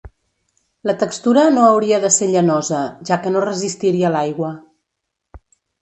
La textura no hauria de ser llanosa, ja que no resistiria l'aigua.